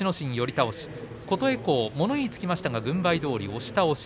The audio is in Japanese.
琴恵光、物言いがつきましたが軍配どおり押し倒し。